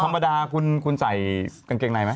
ธรรมดาคุณใส่กางเกงในไหม